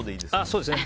そうですね。